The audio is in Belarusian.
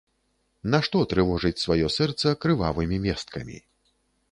Нашто трывожыць сваё сэрца крывавымі весткамі.